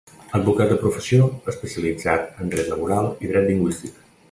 Advocat de professió, especialitzat en dret laboral i dret lingüístic.